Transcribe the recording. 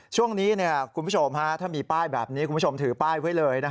ช่วงนี้คุณผู้ชมถ้ามีป้ายแบบนี้คุณผู้ชมถือป้ายไว้เลย